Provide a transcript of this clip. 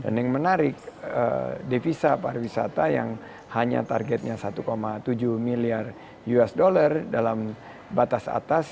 dan yang menarik devisa para wisata yang hanya targetnya satu tujuh miliar usd dalam batas atas